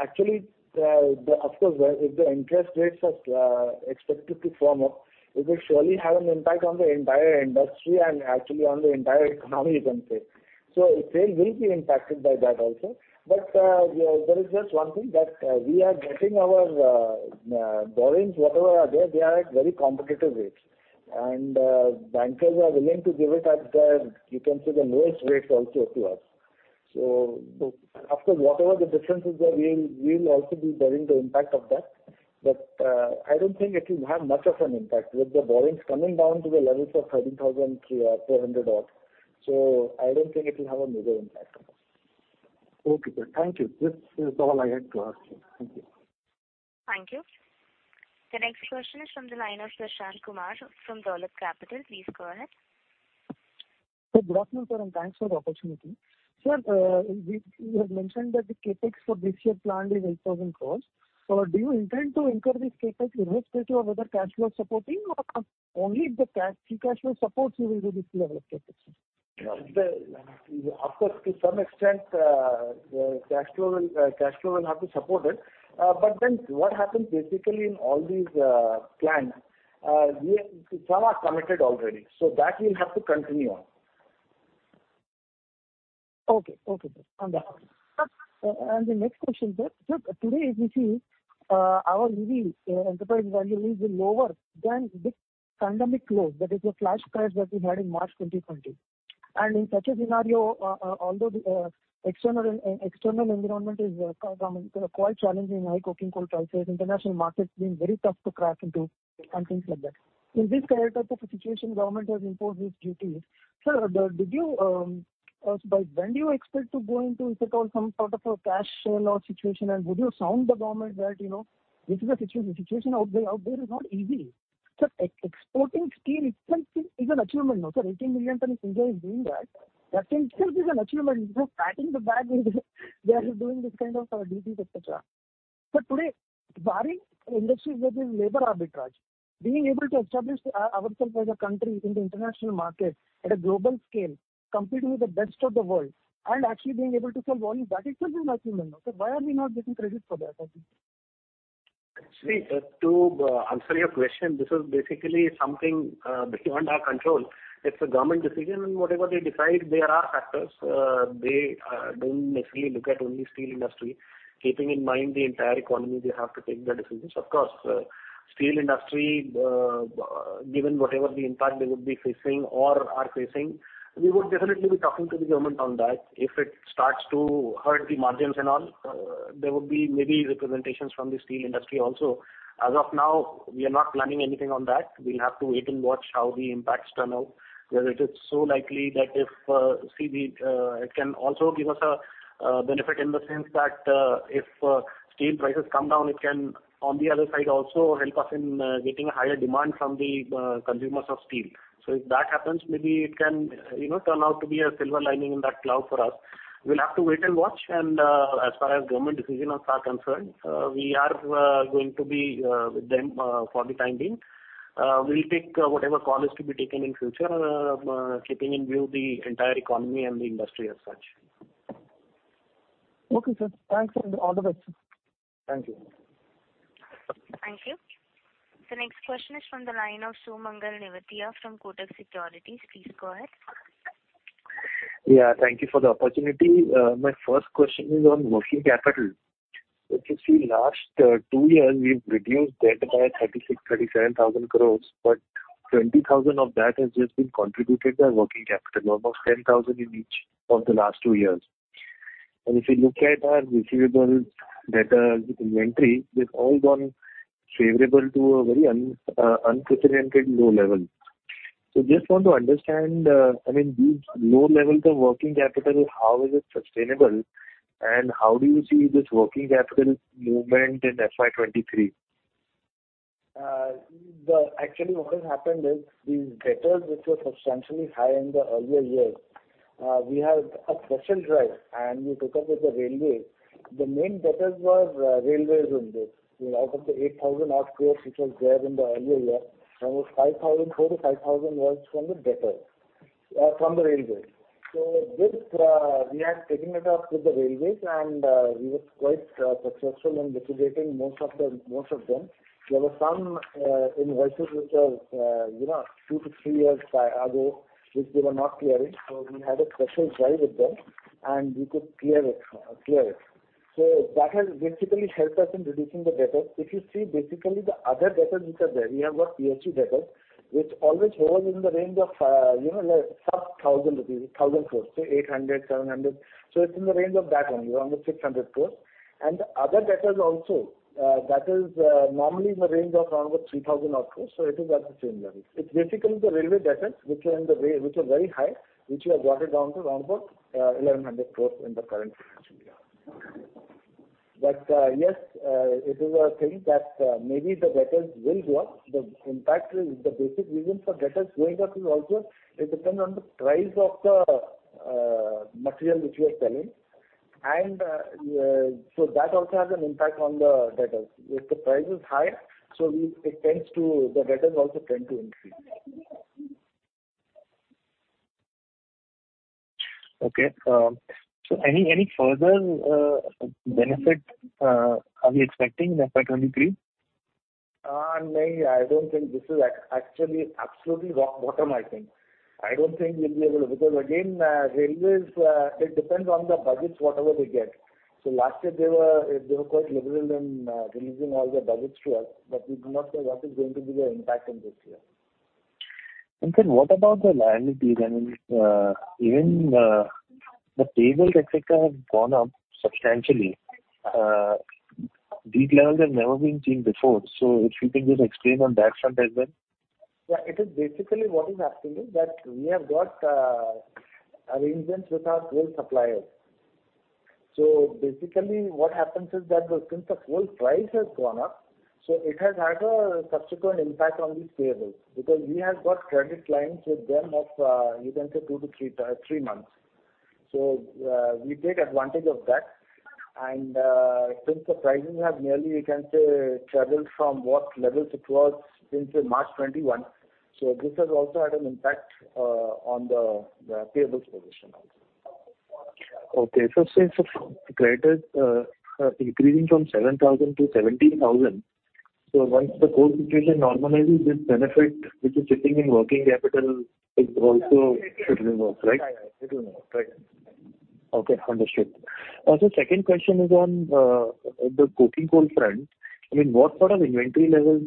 Actually, if the interest rates are expected to firm up, it will surely have an impact on the entire industry and actually on the entire economy, you can say. It will be impacted by that also. Yeah, there is just one thing that we are getting our borrowings, whatever are there, they are at very competitive rates. Bankers are willing to give it at the, you can say, the lowest rates also to us. Of course, whatever the difference is there, we will also be bearing the impact of that. I don't think it will have much of an impact with the borrowings coming down to the levels of 13,300-13,400 odd. I don't think it will have a major impact on us. Okay, sir. Thank you. This is all I had to ask you. Thank you. Thank you. The next question is from the line of Shashank Kumar from Dolat Capital. Please go ahead. Sir, good afternoon, sir, and thanks for the opportunity. Sir, you have mentioned that the CapEx planned for this year is 8,000 crore. Do you intend to incur this CapEx irrespective of whether cash flow supporting or only if the free cash flow supports you will do this level of CapEx? Of course, to some extent, cash flow will have to support it. What happens basically in all these plans, some are committed already, so that we'll have to continue on. Okay. Okay, sir. Understood. The next question, sir. Sir, today we see our EV, enterprise value is lower than the pandemic low, that is the flash crash that we had in March 2020. In such a scenario, although the external environment is quite challenging, high coking coal prices, international markets being very tough to crack into and things like that. In this type of a situation, government has imposed these duties. Sir, by when do you expect to go into, sort of, some sort of a cash flow situation? Would you sound the government that, you know, this is a situation out there is not easy. Sir, exporting steel itself is an achievement. Now, sir, 18 million tonnes India is doing that. That in itself is an achievement. Patting the back they are doing this kind of duties et cetera. But today, barring industries where there's labor arbitrage, being able to establish ourselves as a country in the international market at a global scale, competing with the best of the world and actually being able to sell volume, that itself is an achievement now. Why are we not getting credit for that, I think? Actually, sir, to answer your question, this is basically something beyond our control. It's a government decision, and whatever they decide, there are factors. They don't necessarily look at only steel industry. Keeping in mind the entire economy, they have to take the decisions. Of course, steel industry, given whatever the impact they would be facing or are facing, we would definitely be talking to the government on that. If it starts to hurt the margins and all, there would be maybe representations from the steel industry also. As of now, we are not planning anything on that. We'll have to wait and watch how the impacts turn out. It can also give us a benefit in the sense that if steel prices come down, it can, on the other side, also help us in getting a higher demand from the consumers of steel. So if that happens, maybe it can, you know, turn out to be a silver lining in that cloud for us. We'll have to wait and watch. As far as government decisions are concerned, we are going to be with them for the time being. We'll take whatever call is to be taken in future, keeping in view the entire economy and the industry as such. Okay, sir. Thanks and all the best, sir. Thank you. Thank you. The next question is from the line of Sumangal Nevatia from Kotak Securities. Please go ahead. Yeah, thank you for the opportunity. My first question is on working capital, which you see last two years, we've reduced debt by 36,000-37,000 crore, but 20,000 of that has just been contributed by working capital, almost 10,000 in each of the last two years. And if you look at our receivables, debtors, inventory, they've all gone favorable to a very unprecedented low level. Just want to understand, I mean, these low levels of working capital, how is it sustainable, and how do you see this working capital movement in FY 2023? Actually, what has happened is these debtors which were substantially high in the earlier years, we had a special drive, and we took up with the railway. The main debtors was, railways only. Out of the 8,000-odd crore which was there in the earlier year, almost 4,000 crore-5,000 crore was from the debtors. From the railways. This, we had taken it up with the railways, and, we were quite successful in litigating most of the, most of them. There were some, invoices which are, you know, two to three years ago, which they were not clearing. We had a special drive with them, and we could clear it. That has basically helped us in reducing the debtors. If you see basically the other debtors which are there, we have got PHC debtors, which always hovers in the range of, you know, like sub 1,000 crore rupees, 1,000 crore, say 800 crore, 700 crore. It's in the range of that only, around 600 crore. The other debtors also, that is, normally in the range of around about 3,000 or so. It is at the same level. It's basically the railway debtors which were in the way, which were very high, which we have brought it down to around about 1,100 crore in the current financial year. Yes, it is a thing that maybe the debtors will go up. The impact is the basic reason for debtors going up is also it depends on the price of the material which we are selling. so that also has an impact on the debtors. If the price is high, it tends to the debtors also tend to increase. Okay. Any further benefit are we expecting in the financial year? No, I don't think. This is actually absolutely rock bottom, I think. I don't think we'll be able to because again, railways, it depends on the budgets, whatever they get. Last year they were quite liberal in releasing all the budgets to us. We do not know what is going to be the impact in this year. Sir, what about the liabilities? I mean, even the payables, et cetera, have gone up substantially. These levels have never been seen before. If you can just explain on that front as well. It is basically what is happening is that we have got arrangements with our coal suppliers. Basically what happens is that since the coal price has gone up, it has had a subsequent impact on these payables, because we have got credit lines with them of, you can say, two to three months. We take advantage of that. Since the pricing has nearly, you can say, traveled from what levels it was since, say, March 2021, this has also had an impact on the payables position also. Okay. Since the credit increasing from 7,000 to 17,000, once the coal situation normalizes, this benefit which is sitting in working capital is also should reverse, right? Yeah, yeah. It will reverse, right. Okay, understood. Also, second question is on the coking coal front. I mean, what sort of inventory levels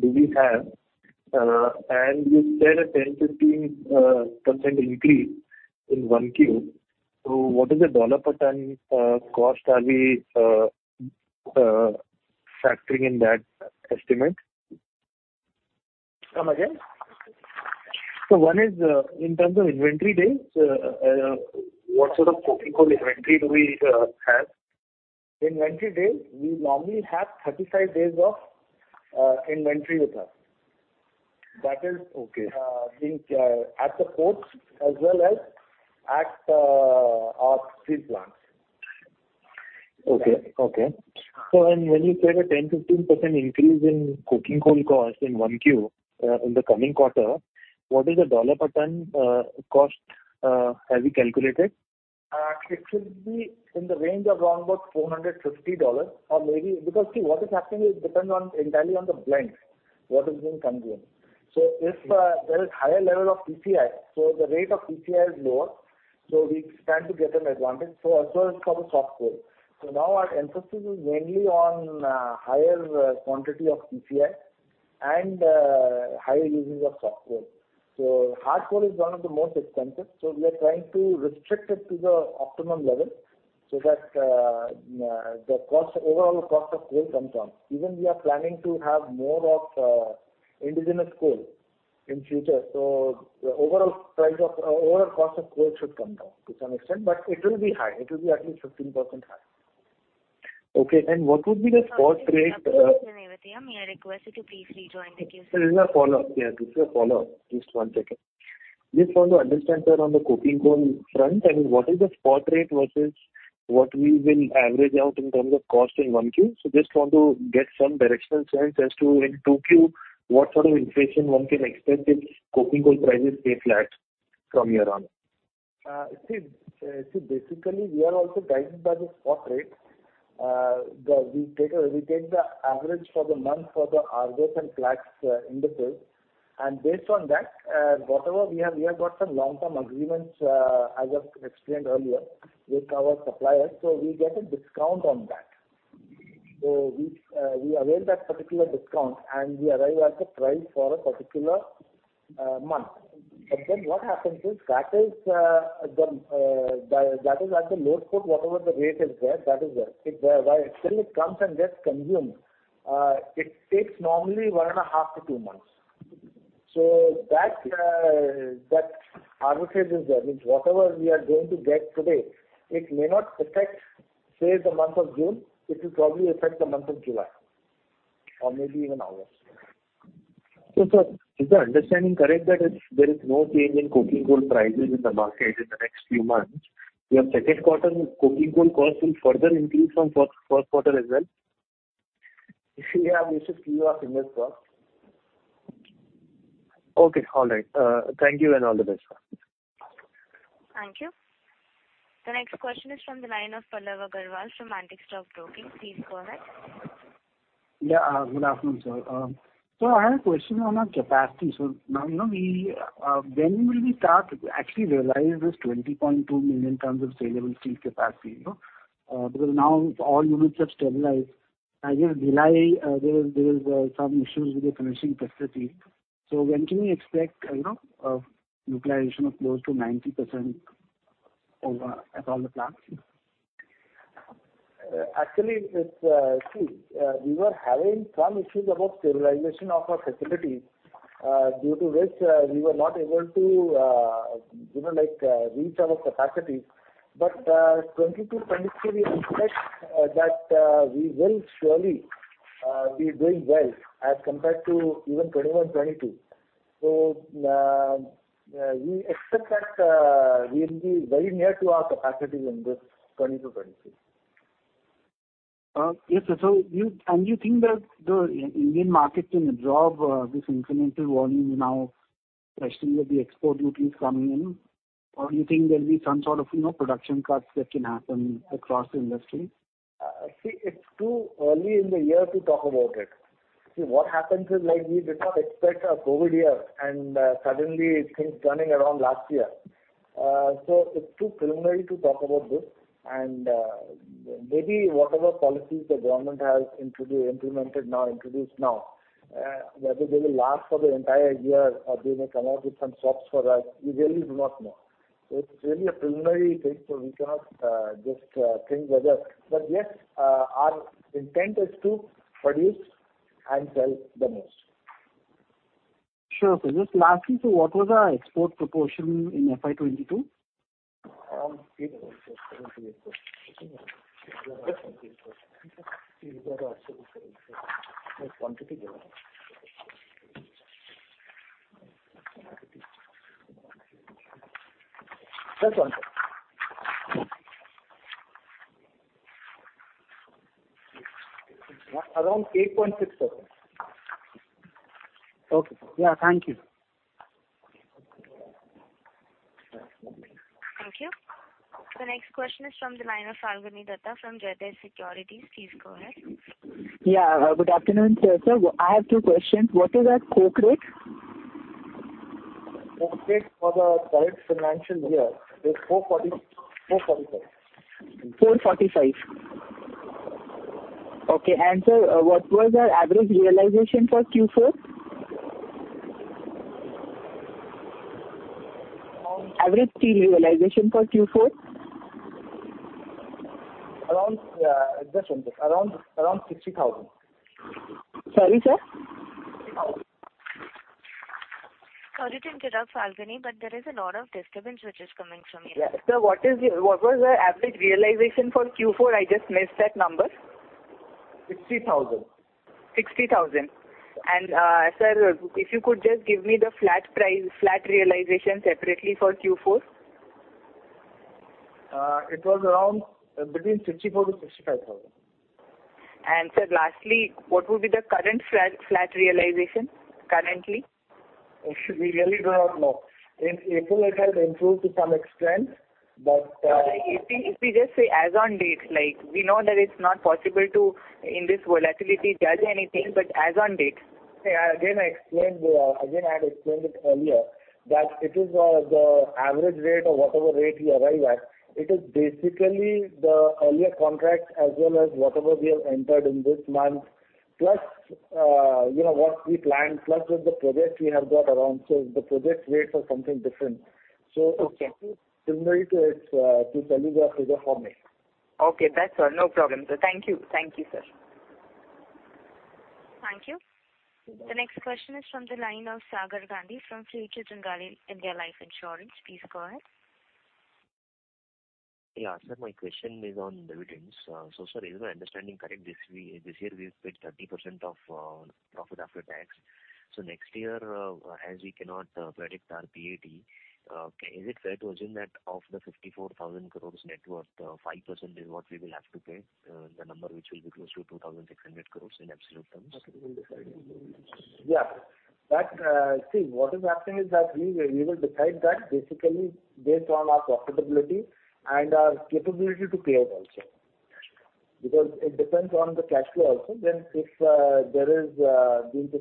do we have? You said a 10%-15% increase in 1Q. What is the dollar per ton cost we are factoring in that estimate? Come again. One is, in terms of inventory days, what sort of coking coal inventory do we have? Inventory days, we normally have 35 days of inventory with us. That is. Okay. Being at the ports as well as at our steel plants. When you said a 10%-15% increase in coking coal cost in 1Q in the coming quarter, what is the dollar per ton cost have you calculated? It should be in the range of around about $450 or maybe. Because, see, what is happening is depends on entirely on the blends, what is being consumed. If there is higher level of CCI, the rate of CCI is lower, we stand to get an advantage. As well as for the soft coal. Now our emphasis is mainly on higher quantity of CCI and higher usage of soft coal. Hard coal is one of the most expensive, we are trying to restrict it to the optimum level so that the cost, overall cost of coal comes down. Even we are planning to have more of indigenous coal in future. The overall cost of coal should come down to some extent, but it will be high. It will be at least 15% high. Okay. What would be the spot rate? Mr. Nevatia. May I request you to please rejoin the queue, sir. Sir, this is a follow-up. Just one second. Just want to understand, sir, on the coking coal front, I mean, what is the spot rate versus what we will average out in terms of cost in 1Q? Just want to get some directional sense as to in 2Q, what sort of inflation one can expect if coking coal prices stay flat from here on. Basically, we are also guided by the spot rate. We take the average for the month for the Argus and Platts indices, and based on that, whatever we have, we have got some long-term agreements, as I've explained earlier, with our suppliers, so we get a discount on that. We avail that particular discount and we arrive at a price for a particular month. What happens is, that is at the load port, whatever the rate is there, that is there. By the time it comes and gets consumed, it takes normally 1.5 to two months. That arbitrage is there, means whatever we are going to get today, it may not affect, say, the month of June. It will probably affect the month of July or maybe even August. Sir, is the understanding correct that if there is no change in coking coal prices in the market in the next few months, your second quarter coking coal cost will further increase from first quarter as well? If you have, this is queue of industry, sir. Okay. All right. Thank you and all the best. Thank you. The next question is from the line of Pallav Agarwal from Antique Stock Broking. Please go ahead. Good afternoon, sir. I had a question on our capacity. Now, you know, when will we start to actually realize this 20.2 million tons of saleable steel capacity, you know? Because now all units have stabilized. I guess July there was some issues with the finishing capacity. When can we expect, you know, utilization of close to 90% over at all the plants? Actually it's, see, we were having some issues about utilization of our facility, due to which, we were not able to, you know, like, reach our capacity. 2022-2023 we expect that we will surely be doing well as compared to even 2021-2022. We expect that we will be very near to our capacity in this 2022-2023. Yes, sir. You think that the Indian market can absorb this incremental volume now, especially with the export duties coming in? You think there'll be some sort of, you know, production cuts that can happen across the industry? It's too early in the year to talk about it. See, what happens is like we did not expect a COVID year, and suddenly things turning around last year. It's too preliminary to talk about this. Maybe whatever policies the government has introduced now, whether they will last for the entire year or they may come out with some swaps for us, we really do not know. It's really a preliminary phase, so we cannot just think whether. Yes, our intent is to produce and sell the most. Sure. Just lastly, so what was our export proportion in FY 2022? Around 8.6%. Okay. Yeah. Thank you. Thank you. The next question is from the line of Falguni Dutta from Jayprakash Securities. Please go ahead. Yeah. Good afternoon, sir. Sir, I have two questions. What is our coke rate? Coke rate for the current financial year is 440 kg/THM-445 kg/THM. 445 kg/THM. Okay. Sir, what was our average realization for Q4? Um- Average steel realization for Q4. Around, just one second. Around 60,000. Sorry, sir? Sorry to interrupt, Falguni, but there is a lot of disturbance which is coming from your end. Yeah. Sir, what was the average realization for Q4? I just missed that number. 60,000. 60,000. Sir, if you could just give me the flat price, flat realization separately for Q4. It was around between 64,000-65,000. Sir, lastly, what would be the current flat realization currently? We really do not know. In April it has improved to some extent, but. If we just say as on date, like we know that it's not possible to, in this volatility, judge anything, but as on date. Yeah. Again, I had explained it earlier that it is the average rate or whatever rate we arrive at. It is basically the earlier contract as well as whatever we have entered in this month, plus, you know, what we plan, plus with the project we have got around. The project rates are something different. Okay. Similar to its, to tell you the figure for me. Okay. That's all. No problem, sir. Thank you. Thank you, sir. Thank you. The next question is from the line of Sagar Gandhi from Future Generali India Life Insurance. Please go ahead. Yeah. Sir, my question is on dividends. Sir, is my understanding correct? This year we've paid 30% of profit after tax. Next year, as we cannot predict our PAT, is it fair to assume that of the 54,000 crores net worth, 5% is what we will have to pay, the number which will be close to 2,600 crores in absolute terms? Yeah. That, see, what is happening is that we will decide that basically based on our profitability and our capability to pay out also. Because it depends on the cash flow also. If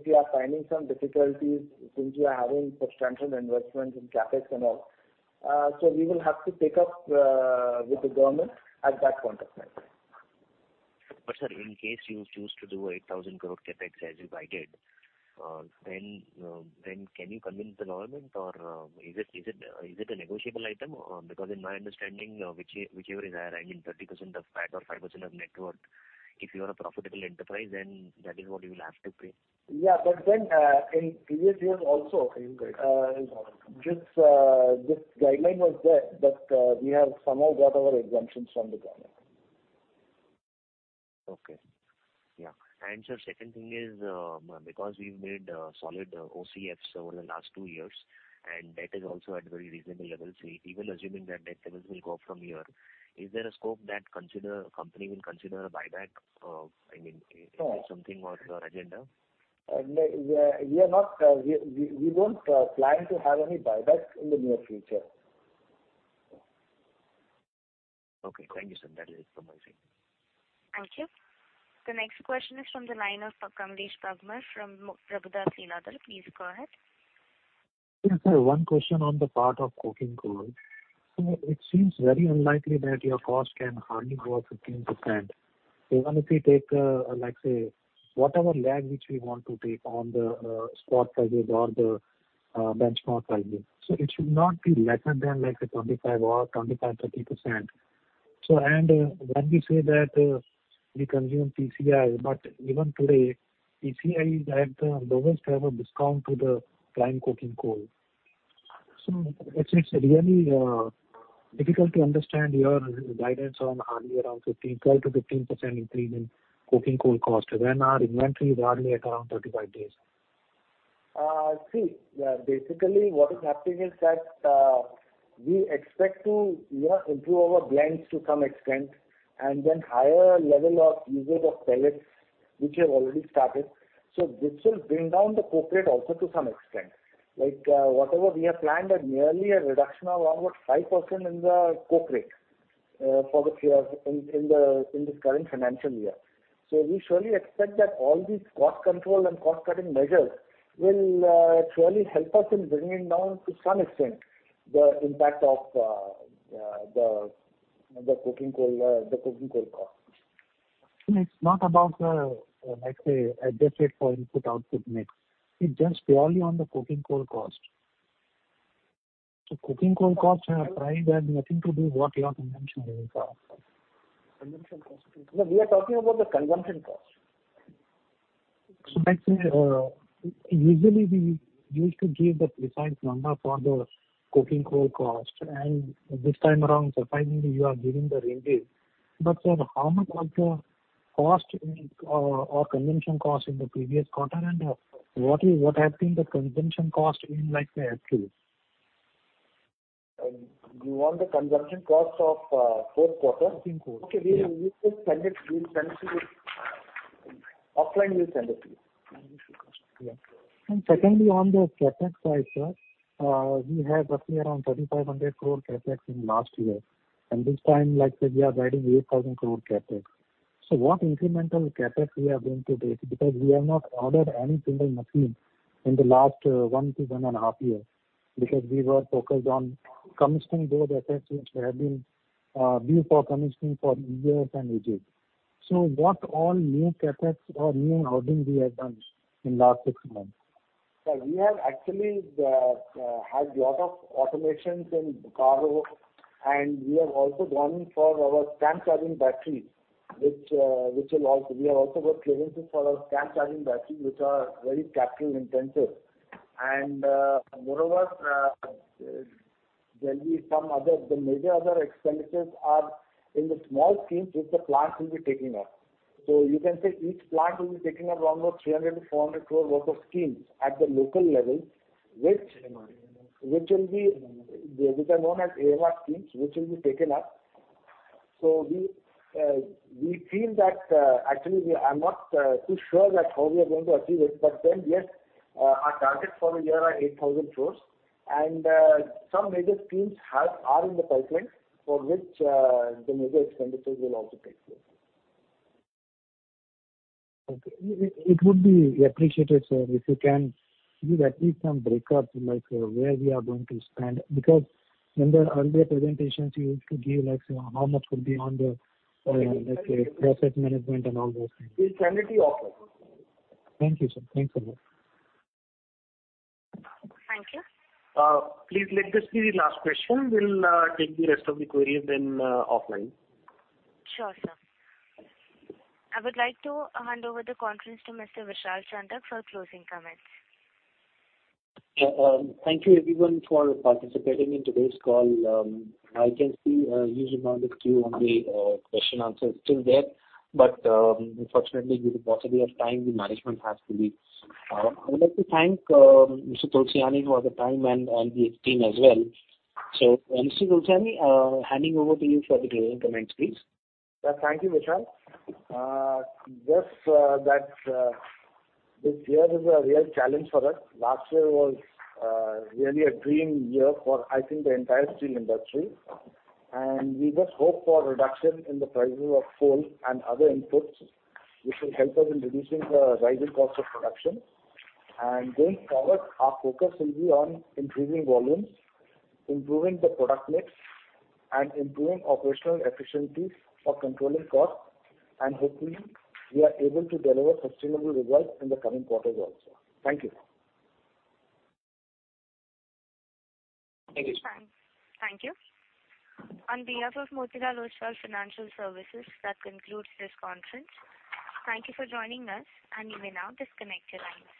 we are finding some difficulties since we are having substantial investments in CapEx and all, so we will have to take up with the government at that point of time. Sir, in case you choose to do 8,000 crore CapEx as you guided, then can you convince the government or is it a negotiable item? Or because in my understanding, whichever is higher, I mean 30% of PAT or 5% of net worth, if you are a profitable enterprise, then that is what you will have to pay. Yeah. In previous years also. Okay. This guideline was there, but we have somehow got our exemptions from the government. Okay. Yeah. Sir, second thing is, because we've made solid OCFs over the last two years, and debt is also at very reasonable levels. Even assuming that debt levels will go up from here, is there a scope that the company will consider a buyback of, I mean. Sure. Is this something on your agenda? We are not. We won't plan to have any buybacks in the near future. Okay. Thank you, sir. That is it from my side. Thank you. The next question is from the line of Kamlesh Bagmar from Prabhudas Lilladher. Please go ahead. Yes, sir. One question on the part of coking coal. It seems very unlikely that your cost can hardly grow 15%. Even if we take, like, say, whatever lag which we want to take on the spot prices or the benchmark prices. It should not be lesser than, like, say, 25% or 30%. When we say that, we consume PCI, but even today, PCI is at the lowest ever discount to the prime coking coal. It's really difficult to understand your guidance on hardly around 15%, 12%-15% increase in coking coal cost when our inventory is hardly at around 35 days. See, basically what is happening is that we expect to, you know, improve our blends to some extent and then higher level of usage of pellets which have already started. This will bring down the coke rate also to some extent. Like, whatever we have planned nearly a reduction of around 5% in the coke rate for the year in this current financial year. We surely expect that all these cost control and cost-cutting measures will surely help us in bringing down to some extent the impact of the coking coal cost. It's not about, like, say, adjusted for input output mix. It's just purely on the coking coal cost. Coking coal costs have priced in and nothing to do with what your consumption will cost. Consumption cost. No, we are talking about the consumption cost. Like, say, usually we used to give the precise number for the coking coal cost, and this time around, surprisingly, you are giving the range. Sir, how much was your cost in or consumption cost in the previous quarter, and what has been the consumption cost in, like, say, FQ? You want the consumption cost of fourth quarter? Coking coal. Yeah. Okay. We could send it. We'll send it to you. Offline, we'll send it to you. Yeah. Secondly, on the CapEx side, sir, we had roughly around 3,500 crore CapEx in last year, and this time, like say, we are guiding 8,000 crore CapEx. What incremental CapEx we are going to take? Because we have not ordered any single machine in the last one to 1.5 years because we were focused on commissioning those assets which have been due for commissioning for years and ages. What all new CapEx or new ordering we have done in last six months? Sir, we have actually had lot of automations in Bokaro, and we have also gone in for our stamp charging batteries. We have also got clearances for our stamp charging batteries which are very capital intensive. Moreover, the major other expenditures are in the small schemes which the plants will be taking up. You can say each plant will be taking up around about 300 crore-400 crore worth of schemes at the local level which AMR. which are known as AMR schemes which will be taken up. We feel that actually we are not too sure that how we are going to achieve it, but then, yes, our targets for the year are 8,000 crore. Some major schemes are in the pipeline for which the major expenditures will also take place. Okay. It would be appreciated, sir, if you can give at least some break-up, like, where we are going to spend. Because in the earlier presentations you used to give, like, say, how much would be on the, let's say, process management and all those things. We'll send it to you offline. Thank you, sir. Thanks a lot. Thank you. Please let this be the last question. We'll take the rest of the queries then offline. Sure, sir. I would like to hand over the conference to Mr. Vishal Chandak for closing comments. Yeah. Thank you everyone for participating in today's call. I can see a huge amount of Q&A question answers still there, but unfortunately due to want of time, the management has to leave. I would like to thank Mr. Tulsiani for the time and his team as well. Mr. Tulsiani, handing over to you for the closing comments, please. Yeah. Thank you, Vishal. This year is a real challenge for us. Last year was really a dream year for I think the entire steel industry. We just hope for reduction in the prices of coal and other inputs which will help us in reducing the rising cost of production. Going forward, our focus will be on improving volumes, improving the product mix, and improving operational efficiencies for controlling costs. Hopefully, we are able to deliver sustainable results in the coming quarters also. Thank you. Thank you, sir. Thanks. Thank you. On behalf of Motilal Oswal Financial Services, that concludes this conference. Thank you for joining us, and you may now disconnect your lines.